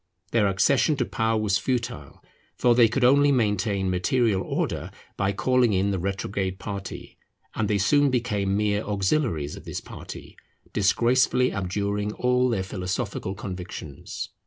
Their accession to power was futile; for they could only maintain material order by calling in the retrograde party; and they soon became mere auxiliaries of this party, disgracefully abjuring all their philosophical convictions.